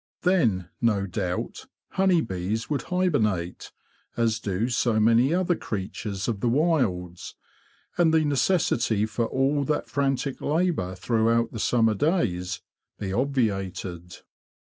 Then, no doubt, honey bees would hibernate, as do so many THE LONG NIGHT IN THE HIVE 187 other creatures of the wilds; and the necessity for all that frantic labour throughout the summer days be obviated.